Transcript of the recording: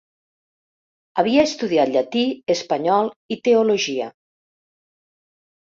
Havia estudiat llatí, espanyol i teologia.